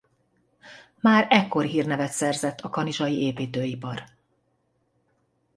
Már ekkor hírnevet szerzett a kanizsai építőipar.